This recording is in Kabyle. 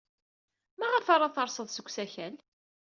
Maɣef ara tersed seg usakal?